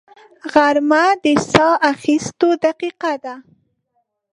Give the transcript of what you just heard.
غرمه د ساه اخیستو دقیقه ده